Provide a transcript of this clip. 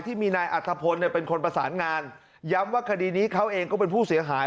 ที่มีนายอัธพลเป็นคนประสานงานย้ำว่าคดีนี้เขาเองก็เป็นผู้เสียหาย